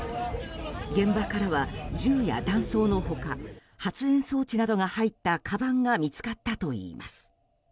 現場からは銃や弾倉の他発煙装置などが入ったかばんが見つかったといいます。